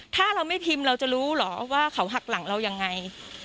ถ้าเราไม่พิมพ์เราจะรู้เหรอว่าเขาหักหลังเรายังไง